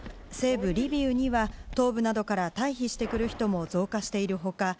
西部リビウには東部などから退避してくる人も増加している他